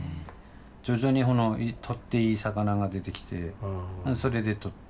徐々にとっていい魚が出てきてそれでとって。